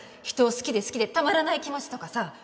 人を好きで好きでたまらない気持ちとかさ